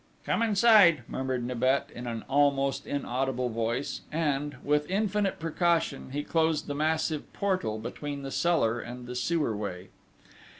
"Come inside," murmured Nibet, in an almost inaudible voice; and, with infinite precaution, he closed the massive portal between the cellar and the sewer way.